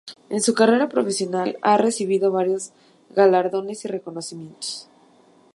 En su carrera profesional ha recibido varios galardones y reconocimientos.